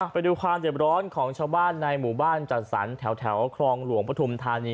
ไปดูความเจ็บร้อนของชาวบ้านในหมู่บ้านจัดสรรแถวครองหลวงปฐุมธานี